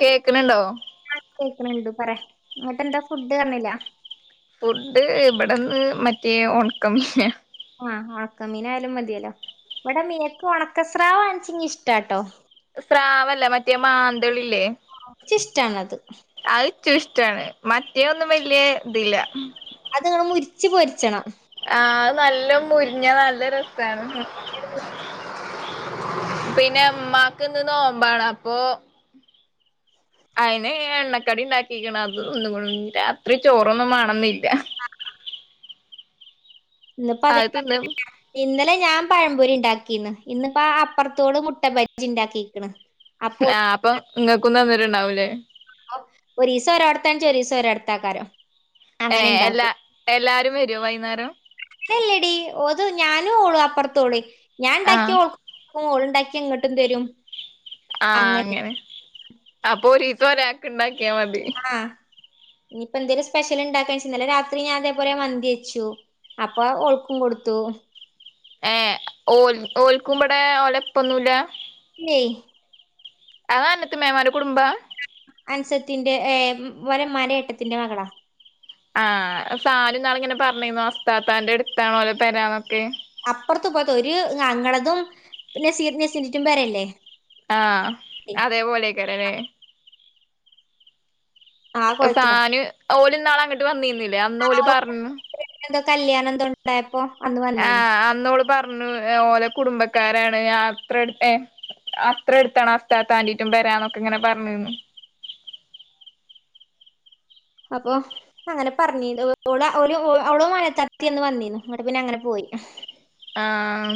കേക്കനുണ്ടോ? ആ കേക്കണണ്ട് പറേ ഇങ്ങട്ട് എന്താ ഫുഡ് പറഞ്ഞില്ല. ഫുഡ് ഇവിടെന്ന് മറ്റേ ഒണക്കമീനാ ആഹ് ഉണക്ക മീനായയാലും മതിയല്ലോ ഇവിടെ മീയക്ക് ഉണക്കസ്രാവാണിചിങ്ങി ഇഷ്ടാട്ടോ സ്രാവല്ല മറ്റേ മാന്തളില്ലേ ഇച്ച് ഇഷ്ടാണത് അയ് റ്റ ഇഷ്ട്ടാണ് മറ്റേ ഒന്നും വല്യയതില്ല. ങ്ങ മുരിച്ച് പൊരിച്ചണം അത് നല്ല മുരിഞ്ഞ നല്ല രസാണ് ആ, പിന്നെമ്മാക്ക് ഇന്ന് നോമ്പാണ് അപ്പൊ അയിന് എണ്ണക്കടി ഇണ്ടാക്കിക്ണ് അത് തിന്നുക്കുണു രാത്രി ചോറൊന്നും വേണെന്നി ആ ആ ഇന്ന്പ്പൊ അത് തിന്നും [unintelligible] ഇന്ന് അല്ല ഞാൻ പഴമ്പൊരി ഉണ്ടാക്കിന്ന് ഇന്നിപ്പ അപ്പുറത്തോട് മുട്ടപ്പജി ഇണ്ടാക്കീക്ക്‌ണ്. ആ പ്പൊ ഇങ്ങക്കും തന്നിട്ടുണ്ടാവും ലെ. ഒരീസോ ഓരോട്തച്ചാ ഒരൂസം ഓരോട്തക്കാരം. ഏ എല്ലാ എല്ലാരും വരോ വൈന്നേരം. ല്ലെടി ഓതു ഞാനും ഓളു അപ്പുറത്തോള ഞാൻ ആ ഇണ്ടാക്കി ഓക്കും. ൾ ണ്ടാക്കി ഇങ്ങട്ടും തരും ആഹ അങ്ങനെ അപ്പൊ ഒരീസം ഒരാൾക്ക്‌ ഇണ്ടാക്കിയാമതി. ഇനിപ്പൊ ന്തേലും സ്പെ്സൽ ഇണ്ടാക്കാച്ച് ന്നലെ രാത്രി ഞാൻ അതേപോലെ മന്തിയച്ചു. അപ്പൊ ഒളുക്കും കൊടുത്തു. ഏ ഓ ഓൽക്കുമ്പടെ ഓലപ്പൊന്നുല്ല. ഏയ്‌. അത അന്നത്ത് മേമാരു കുടുംബ. അൻസത്തിന്റെ ഏ വരമാരേട്ടത്തിന്റെ മകളാ. ആഹ സാല എന്നാള ഇങ്ങനെ പറഞ്ഞിന്ന വസ്താത്താന്റെ അടുത്താണോലെ പെരാന്നൊക്കെ. അപ്പുറത്ത് ഇപ്പറത്തു ഒരു ങ്ങളതും പിന്നെ സീനസിനിട്ടും പേരല്ലേ. ആഹ അതേപോലെയക്കാരല്ലേ. ആ കുളത്തിലാ സാന ഓല് ന്നാള അങ്ങ്ട്ട് വന്നിന്നില്ലേ അന്ന് ഓല് പറഞ്ഞ. കല്യാണന്തോണ്ടായപ്പോ. ആഹ അന്നോള് പറഞ്ഞു ഓല കുടുംബക്കാരാണ് ഞാനത്രടുത്തേ. അത്ര അടുത്താണ് അസ്താത്താന്റെ ക്കാപേരാന്നൊക്കെ ഇങ്ങനെ പറഞ്ഞന്ന്. അപ്പൊ അങ്ങനെ പറഞ്ഞട്--ഓള്ളെ ഓൽ അവളും മനത്താതേം ഇന്ന് വന്നീനു ങ്ങോട്ട് പിന്നെ അങ്ങനെ പോയി. ആഹ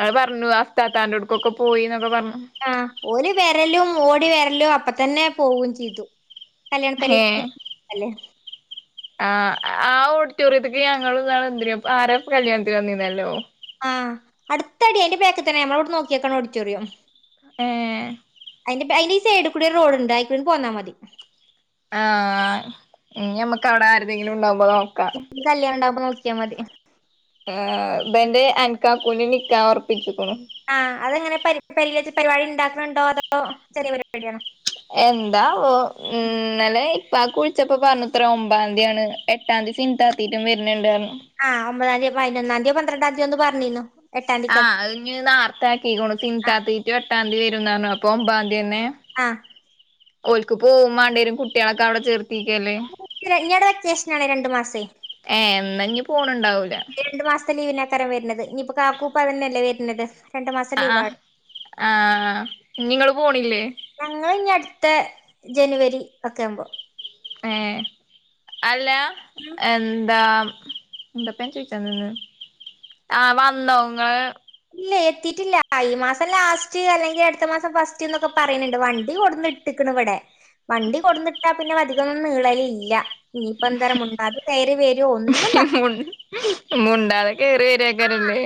അത് പറഞ്ഞു അസ്താ താന്റെ അടുക്കൊക്കെ പോയിന്നൊക്കെ പറഞ്ഞു. ആ ഓല് വരലും ഓടി വരലും അപ്പ തന്നെ പോകയകും ചെയ്തു. കല്യാണപരിന്ന്--അല്ലെ. ആ് ആ ഓഡിറ്റോറിയത്ത്ക്ക്ഞങ്ങൾ ന്നാൾ എന്തിനോ ആരോ കല്യാണത്തിന് വന്നീന്നല്ലോ. ആ് അടുത്തടി അന്റെ പാക്ക് തന്നെ നമ്മളോവിട് നോക്കിയേക്കാ ഓടിറ്റോറിയോ. എഹ. അതിന്റെ അയിയി സൈഡിൽ കൂടി ഒരു റോഡ്ണ്ട് ആയിക്കണ്ടണ്ട് പോന്നാതി. ആഹ ന്യമക്ക് അവിടെ ആരെതെങ്കിലും ഉണ്ടാവ. കല്യാണണ്ടാവമ്പോ നോക്കിയാതി. ആർ മ്പന്റെ ആൻകാക്കൂന്റി നികാഹ് ഉറപ്പിച്ചിക്കണു. ആഹ് അതെങ്ങനെ പരി പരിപാടി ഉണ്ടാക്കുന്നുണ്ടോ അതോ ചെറിയ പരിപാടിയാണോ. എന്താവോ ഉം ഇന്നലേയ്. പാക്ക്‌ വിളിച്ചപ്പോ പറഞ്ഞുത്ര ഒമ്പാതന്ദിണ് എട്ടാംതീ സിന്താത്താന്റെ വരുന്നുണ്ടറഞ്ഞ. വയനോന്നാന്ദ്യോ പന്ത്രണ്ടാന്ദ്യോന്ന് പറഞ്ഞിനു. ആഹ് അ ഇനി നാർത്ത ആക്കിണ ആഹ് സിത്താത്തീട്ട എട്ടാതി വരുന്ന പറഞ്ഞപ്പോ അപ്പൊ ഒമ്പാതിയനെ. ആഹ. ഓലക്ക് പോമാണ്ട്യരും കുട്ട്യോളൊക്കെ അവിടെ ചേർത്ത്. ക്കല്ലേ ഇനി അവ്ടെ വെക്കേഷനാണ് രണ്ട് ഏ എന്നാഞ് പോണുണ്ടാവു. രണ്ടു മാസത്തെ ലീവിനക്കാരും വര്ണത് ഇനിയിപ്പോ കാക്കൂപ്പതന്നെയല്ലേ വരുന്നത്. ആ ആ ആഹ ഇനി ങ്ങള് പോണില്ലേ. ഞങ്ങൾ ഇനി അടുത്ത ജനുവരി ഒക്കെ ആവുമ്പോ. ഏ അല്ല ഉം എന്താ. എന്തപ്പ ചോയിചാനിന്നെ ആ വന്നങ്ങള്. ഇല്ല എത്തിട്ടില്ല ഈ മാസം ലാസ്റ്റ് അല്ലെങ്കിൽ അടുത്ത മാസം ഫസ്റ്റ്ന്നൊക്കെ പറയണണ്ട് വണ്ടി കൊടുന്ന. ട്ടക്കണ് ഇവിടെ വണ്ടി കൊടുന്നട്ടാ പിന്നെ അധികൊന്നും നീളല ഇല്ല. ഇനിയിപ്പ എന്തരമുണ്ടാതെ കയറി വേരോ ഒന്നും പറ മു മുണ്ടാതെ കേറി വര്യാക്കാരല്ലേ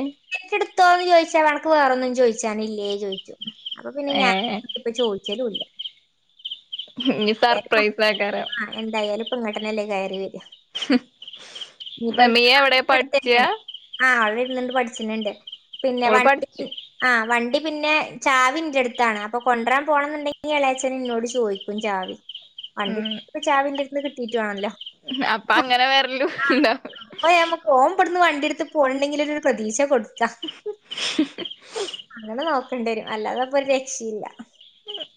എത്തോന്ന് ചോയ്ച്ചാൽ എനെക്ക് വേറൊന്നും ചോയ്ച്ചാനില്ലേ ചോയ്ക്കും. അപ്പൊ പിന്നെ ഞാൻ ഏഹ് ഇപ്പ ചോയ് ച്ചലൂല്ല. ഇഞ്ഞി ഏലപ്പ സർപ്രൈസാക്കാരം ആ എന്തായാലും ഇങ്ങട്ടന്നെയല്ലേ കയറി വര ഹും ഇനിപ്പന്തടു തന്നെയാണ് ആ പഠിച്ചണണ്ട് പിന്നെ ഓള് വണ്ടി പഠിച്ചു ആ വണ്ടി പിന്നെ ചാവി എൻ്റെ അടുത്താണ് അപ്പൊ കൊണ്ടരാൻ പോണം എന്നുണ്ടെങ്കി എളയച്ഛൻ എന്നോട് ചോദിക്കും ചാവി വണ്ടി എടുക്കുമ്പേ ചാവി എന്റെടുത്തു നിന്ന് കിട്ടീട്ടു വേണല്ലോ. അപ്പ അങ്ങനെ വെരലും ആ ഇണ്ടോ അപ്പൊ നമുക്ക് ഓൻ ഇവിടുന്ന് വണ്ടിഎടുത്ത് പോണ്ടെങ്കിൽ ഒരു പ്രതീക്ഷ കൊടുക്കാം. അങ്ങനെ നോ ണ്ടരും അല്ലാതിപ്പോ ഒരു രക്ഷയില്ല.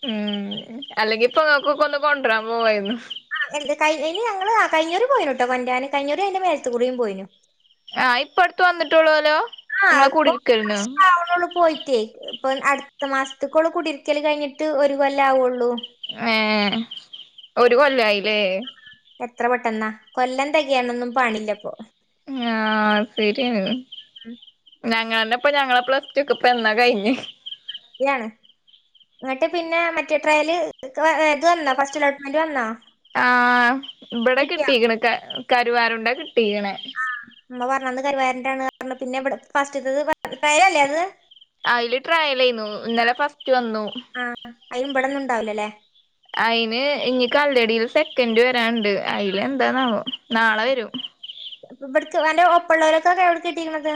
ഉം അല്ലെങ്കി ഇപ്പൊ ഓക്കൊക്കൊന്ന് കൊണ്ടരാൻ പോവായിരുന്നു. ആ, ഇനി ഞങ്ങള് ആ കയിഞ്ഞൂര് പോയിരുന്നൂട്ടോ വണ്ടാനം കയ്ഞ്ഞൂര് അതിന്റെ മേലത്തുക്കുറിയും പോയിനു ആ ഇപ്പ അടുത്തു വന്നിട്ടുള്ളൂലോ. നിങ്ങളെ കൂടിരിക്കലിന് ഇപ്പ അടുത്ത മാസത്തക്കുള്ള കുടിയിരിക്കല് കഴിഞ്ഞിട്ട് ഒരു കൊല്ലം ആവുള്ളൂ. ഏ ഒരു കൊല്ലായില്ലേ. എത്ര പെട്ടെന്നാ കൊല്ലം തികയാണൊന്നും പണീല്ലപ്പൊ. ആ ശരിയാണ്. ഉം ഞ ങ്ങാൻ്റെ ഇപ്പ ഞങ്ങൾടെ പ്ലസ് ടു ക്കെ ഇപ്പ എന്നാ കഴിഞ്ഞ് യാണ്. എന്നട്ട് പിന്നെ മറ്റേ ട്രയല് ഇത് വന്നോ ഫസ്റ്റ് അലോട്ട്മെന്റ് വന്നോ? ആ ഇവിടെ കിട്ടിയോ കിട്ടീക്കണ് കരു കരുവാരുണ്ടെ കിട്ടേക്കണെ. ആ അമ്മ പറഞ്ഞന്ന് കരുവാരണ്ടാണ് പറഞ്ഞ് പിന്നെ ഇവിടെ ഫസ്റ്റത്തേത് ട്രയലല്ലേ അത് അതില് ട്രയലേന്നു. ഇന്നലെ ഫസ്റ്റ് വന്നു. അയിനും ഇവടന്നുണ്ടാവില്ലല്ലോ അല്ലേ. അയിന് ഇങ്ങി കല്ലടിയില് സെക്കൻഡ് വരാനുണ്ട്. അയി ല് എന്താണാവോ? നാളെ വരും. ഇവിടക്ക് എന്റെ ഒപ്പൊള്ളവരൊക്കെ എവിടെക്ക് കിട്ടിയേക്കണത്.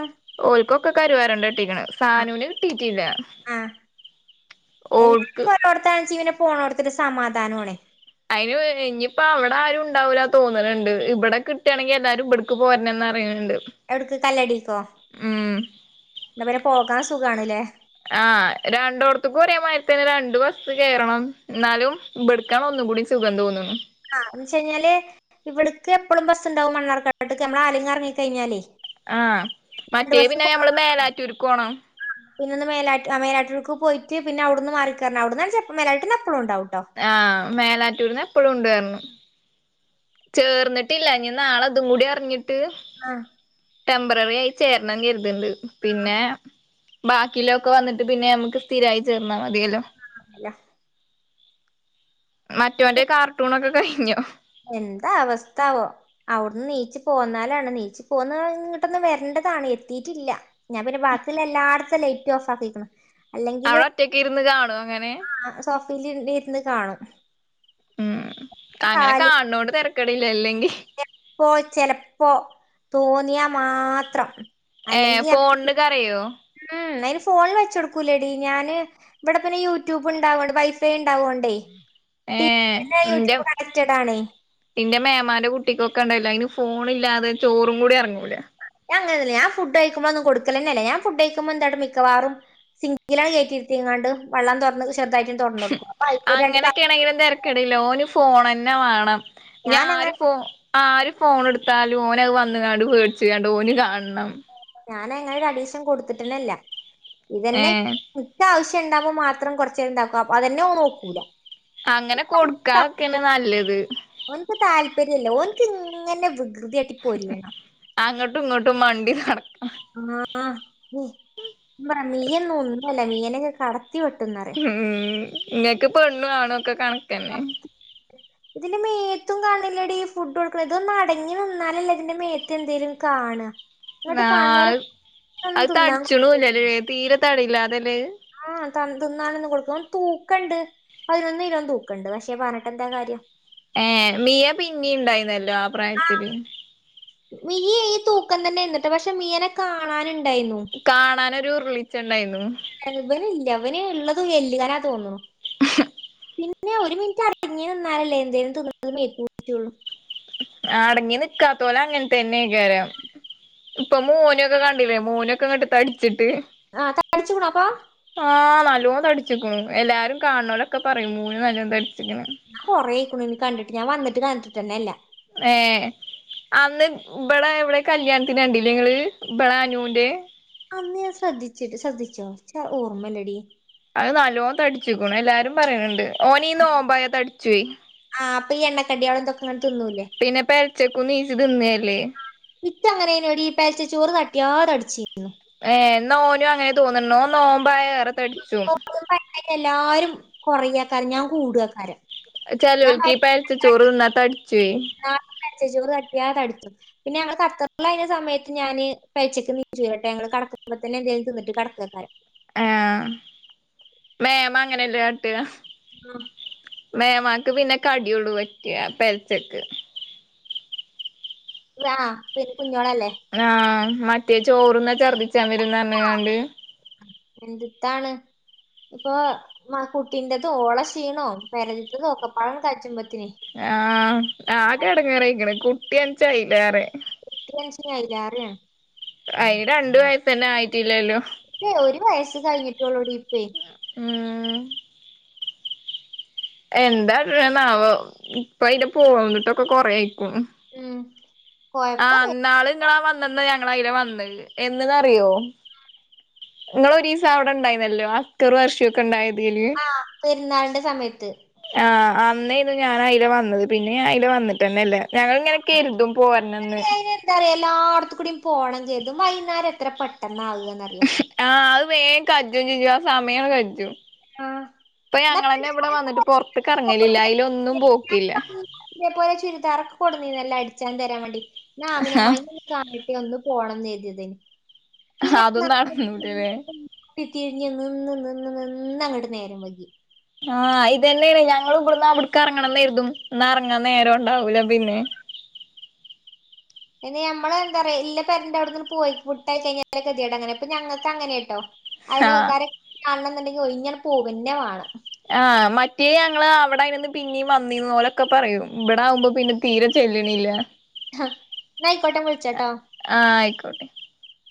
ഓൽക്കൊക്കെ കരുവാറുണ്ട കിട്ടീക്കണേ. ആ സാനൂന് കിട്ടീട്ടില്ല. ഓൾക്ക് എല്ലാർക്കും ഒരോടത്താണിച്ചി പോണോടത്തൊരു സമാധാനോ ആണേ അയിന് ഇനിയിപ്പോ അവിടെ ആരും ഉണ്ടാവൂല തോന്നലുണ്ട്. ഇവിടെ കിട്ടാണെങ്കി എല്ലാരും ഇവിടക്ക് പോരണന്ന് പറയണേ. എവിടക്ക് കല്ലടിക്കോ. ഉം എന്നാ പിന്നെ പോകാൻ സുഖാണല്ലേ. ആ രണ്ടോടത്തക്കും ഒരേമാതിരി തന്നെ രണ്ട് ബസ് കയറണം എന്നാലും ഇവടേക്കാണ് ഒ ന്നുംകൂടി സുഖം തോന്നുന്നു. ആ എന്ന് വെച്ച് കഴിഞ്ഞാല് ഇവിടക്ക് എപ്പളും ബസുണ്ടാവും മണ്ണാർക്കാട്ടേക്ക്. നമ്മള് ആലങ്ങ ഇറങ്ങി കഴിഞ്ഞാലേ ആ രണ്ട് മറ്റേ ബസ് പിന്നെ കുറവാണ് ഞമ്മള് മേലാറ്റൂർക്ക് പോണം. പിന്നൊന്ന് മേല മേലാട്ടൂർക്ക് പോയിട്ട് പിന്നെ അവിടുന്ന് മാറിക്കറണം. അവിടന്നു വെച്ചാ മേലാട്ടൂർ തന്നെ അ ആ മേലാറ്റൂരിന്ന് എപ്പോഴും ഉണ്ട് പറഞ്ഞു. ചേർന്നിട്ടില്ല ഇനി നാളെ ഇതും കൂടി അറിഞ്ഞിട്ട് ആ ടെംമ്പററി ആയി ചേരണം കരുതണ്ട്. പിന്നെ ബാക്കീലൊക്കെ വന്നിട്ട് പിന്നെ നമുക്ക് സ്ഥിരായി ചേർന്നാ മതിയല്ലോ. അല്ല മറ്റവന്റെ കാർട്ടൂണൊക്കെ കഴിഞ്ഞോ? എന്താ അവസ്ഥാവോ അവിടുന്ന് നീച്ച് പോന്നാലാണ് നീച്ച് പോന്ന ഇങ്ങോട്ടൊന്ന് വര ണ്ടതാണ് എത്തിയിട്ടില്ല. ഞാൻ പിന്നെ ബാക്കി എല്ലായിടത്തും ലൈറ്റ് ഓഫ് ആക്കിയേക്കണ്. അവിടെ ഒറ്റക്ക് ഇരുന്ന് കാണും. ആ സോഫയിലിരുന്നിരുന്ന് കാണും. ഉം അങ്ങനെ കാണണോണ്ട് തിരക്കണില്ലല്ലേ. ചപ്പോ ചെലപ്പോ തോന്നിയാ മാത്രം ഏ അല്ലെങ്കി ഫോണന്ന് കരയോ ഉം അയിന് ഫോണിൽ വെച്ച കൊടുക്കൂലേടി ഞാന് ഇവിടെ പിന്നെ യൂട്യൂബ് ഉണ്ടാവോണ്ട് വൈഫൈ ഉണ്ടാവോണ്ടേ ഏ ടിവിന്റെ നിറെ യൂട്യൂബ് കണക്റ്റഡ് ആണേ നിന്റെ മേമാന്റെ കുട്ടിക്കൊക്കെ ഒക്കണ്ടില്ല അതിന് ഫോണില്ലാതെ ചോറും കൂടി ഇറങ്ങൂല അങ്ങനല്ല ഞാൻ ഫുഡ് കഴിക്കുമ്പോൊന്നും കൊടുക്കല്ലന്നല്ല ഞാൻ ഫുഡ് കഴിക്കുമ്പോ എന്താണ് മിക്കവാറും സിംഗി ആണ് കയറ്റിയിത്തിങ്ങാണ്ട് വെള്ളം തുറന്ന് ചെറുതായിട്ടും തുറന്ന് കൊടുക്ക അങ്ങനെൊക്കെയാണെങ്കിലും തിരക്കടല്ലോന് ഓനെഫോൺ തന്നെ വേണം ഞാൻ ഞാരു അങ്ങനെ ഫോ ആര് ഫോൺ എടുത്താലും ഓന വന്നങ്ങാണ്ട് മേടിച്ചണ്ട് ഓന് കാണണം ഞാന അങ്ങ ഒരു അഡീഷൻ കൊടുത്തിട്ടനല്ല ഇതന്നെ ഏഹ് ഇറ്റ ആവശ്യം ണ്ടാവ്പോ മാത്രം കുറച്ചണ്ടാക്കും അത്തന്നെന്ന് നോക്കൂല അങ്ങനെ കൊടുക്കാാനൊക്കെയന്നെ നല്ലത് താല്പര്യല്ലോ മോനിക്ക് ഇങ്ങനെ വികൃതിയട്ടി പോരിയണം അങ്ങട്ടും ഇങ്ങട്ടും മണ്ടി നടക്കണം ആ പറ നീയൊന്നുംഒന്നല്ല മീനൊക്കെ കട ഉം ഇങ്ങക്ക് പെണ്ണു ആണൊക്കെ കണക്ക തന്നെ ഇതിന്റെ മേത്തും കാണില്ലട ഈ ഫുട്ബോൾ ഇതൊന്ന അടങ്ങി നിന്നാലല്ലേ ഇതിന്റെ മേത്ത് എന്തേലും കാണാ ആ അത് തിന്നാൻ തടിച്ചണല്ലല്ലേ തീരെ തടയില്ല അതല്ലേ ആഹ തന്തന്നാണന്ന് കൊടുക്ക തൂക്കണ്ട് അതിനൊന്ന് കിലോന്ന് തൂക്കണ്ട് പക്ഷേ പറഞ്ഞിട്ട് എന്താ കാര്യം ഏ മിയ പിന്നെ ഉണ്ടായിുന്നല്ലോ ആ പ്രായത്തില് മിയ ഈ തൂക്കം തന്നെ എന്നിട്ട് പക്ഷെ മിയ കാണാനുണ്ട് കാണാനൊരു ഉരുളിച്ച ഉണ്ടായിരുന്നു അവന് ഉള്ളത് വെല്ലുകനാ തോന്നുന്നു [inaudible] പിന്നെ ഒരു മിനിറ്റ് അറിഞ്ഞഞ് നിന്നാലല്ലേ എന്തേലും തിന്ന മേറ്റുള്ളൂ അടങ്ങി നിക്കാത്ത പോലെ അങ്ങനത്തന്നെയക്കാരം ഇപ്പൊ മോനൊക്കെ കണ്ടില്ലേ മോനൊക്കെ കണ്ട് തടിച്ചിട്ട് ആഹ് ത അടിച്ചിക്കണപ്പാ ആഹ നല്ലോന്ന് തടിച്ചിക്കണുന്നു എല്ലാരും കാണലൊക്കെ പറയും മോന് നല്ലോന്ന് തടിച്ചിക്കുന്നു ഞാൻ കുറെയിരിക്കണ ഇനി കണ്ടിട്ട് ഞാൻ വന്നിട്ട് കാട്ടി തന്നെല്ല ഏ അന്ന് ഇവിട ഇവിടെ കല്യാണത്തിന് കണ്ടില്ലേ നിങ്ങള് ഇ ബട അനുൻന്റെ അമ്മ ഞാൻ ശ്രദ്ധിച്ചിട്ട് ശ്രദ്ധിച്ചോ ച ഓർമ്മല്ലടി അത് നല്ലോന്ന് തടിച്ചക്കണ എല്ലാരും പറയുന്നുണ്ട് ഓനീന്ന് നോമ്പായ ത തടിച്ചു ആ അപ്പൊ ഈ എണ്ണക്കടികളും ഇതൊക്കെ അങ്ങനെ തിന്നൂലേ പിന്നെ പരച്ചക്കും നീച്ചി തിന്നല്ലേ അങ്ങനേനോട് ഈ പേൽച്ച ചോറ് തട്ടിയാ അടിച്ചിരുന്നു ഏ നോനും അങ്ങനെ തോന്നണോ നോമ്പ റെ എല്ലാരും കൊറ ആക്കറ് ഞാൻ കൂടക്കാര ചിലവൾക്ക് ഈ പരത്തെ ചോറ് നിന്നാ തടിച്ചു പച്ചച്ചോറ് കട്ടിയാ അത അടുത്തും പിന്ന ഞങ്ങള് കത്തറതി സയത്ത് ഞാന് പച്ചക്ക് നീ ചട്ടെ ഞ കടക്കുമോന്നെ എന്തായും തിന്നട്ട് കടക്കക്കാരം ആഹ് മേമ അങ്ങനെല്ലേ കാട്ടുക ആഹ മേമാക്ക് പിന്നെ കടിയോടു പറ്റിയ പെരച്ചക്ക് ആ പിന്നെ കുഞ്ഞോളല്ലേ ആഹ് മറ്റേ ചോറന്നാ ഛർദിച്ചാൻ വരുന്നന്നാണ്ട് എന്ത്താണ് ഇപ്പൊ മ കുട്ടിറത ഓള ക്ഷീണോ പരതിട്ടത ഒക്കെ പഴം കഴറ്റുമ്പ ആ ആകെടെങ്ങേറായ്ക്ക്ണ് കുട്ട്യാണ്ച്ച അയ്ലേറെ ക്ന്ന അയിലേറേണ് അയിന് രണ്ടു വയസ്സന്നെ ആയിട്ടില്ലല്ലോ പ്പേ ഒരു വയസ്സ് കയ്ഞ്ഞിട്ടാെള്ളെടി പ്പേ ഊമ് എന്താട്ടാണാവോ ഇപ്പഅയ്ലെ പോന്നിട്ടൊക്കെ കൊറേ അയ്ക്കുണു ഉം ആ കൊഴപ്പല്ല ന്നാള് ങ്ങളാ വന്നന്ന് ഞങ്ങള അയ്ലെ വന്ന് എന്ന്ന്നറിയോ ങ്ങള് ഒരീസ അവിടെണ്ടായിന്നല്ലോ അസ്ക്കറും അർഷി ഒക്കെ ണ്ടായി ആ പെരുന്നാൾന്റെ സമയത്ത് അന്നേയിന്നു അയിലെ ഞാൻ അതില വന്നത് പിന്നെ അതില വന്നിട്ട്ന്നെ അല്ലേ ഞങ്ങ ഇങ്ങനെ കരുതും പോര്നന്ന് ല്ലാടത്ത് കൂടിം പോണം കെര്തും വൈന്നാരം എത്ര പെട്ടെന്നാക്ന്നറിയോ ആഹ് അത് വേം കജ്ജും ചെയ്യും ആ സമയോം കജ്ജും ഇപ്പ ഞങ്ങന്നെ ഇവിടെ വന്നിട്ട് പൊർത്ത് ക്ക് റങ്ങലില്ല അതിലൊന്നും പോക്കില്ല തെ പോലെ ചുരിദാർ കൊട്ന്നീന്നല്ല അടിച്ചാൻ തരാൻ വേണ്ടി ആ ന്നാമിനമ്മായിനൊന്ന് കാണട്ടേ ഒന്ന് പോണം ന്നെര്തിയതേനി പിന്നെ ന്നാ അതും നടന്നൂലല്ലേ ന്നാ തിരിഞ് നിന്ന് നിന്ന് നിന്ന് ന്നങ്ങട്ട് നേരം വകി ആഹ് ഇതന്നേണ് ഞങ്ങൾ ഇവിടന്ന് അവിടക്ക് ഇറങ്ങണംന്നെര്തും എന്ന ഇറങ്ങാൻ നേരം ഉണ്ടാവൂല പിന്നെ പിന്ന നമ്മളെന്തറിയോ ഇല്ല അയിൻ പെരൻ്റെവിടന്ന്ങ്ങട് പോയി ഫുട്ടായി കഴിഞ്ഞാെതിട അങ്ങനെപ്പ ഞങ്ങക്ക ങ്ങനേട്ടോ ആഹ് അയലാേക്കെക്കാരൊക്കെ കാണണന്ന്ണ്ടെങ്കി ഒയ്ഞ്ഞാണ്ട് പോവന്നേ വാണം ആഹ് മറ്റേ ഞങ്ങള് അവിടെര്ന്ന് പിന്നേം വന്നീന്ന് ഓലൊക്കെ പറയും ഇവിടെ ആകുമ്പോ പിന്നെ തീരെ ചെല്ലണില്ല ഹാ ന്നായ്ക്കോട്ടെ വിള്ച്ചട്ടാ [unintelligible]